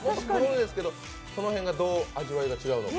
その辺がどう味わいが違うのか。